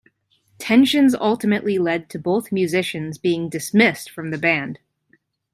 Tensions ultimately led to both musicians being dismissed from the band.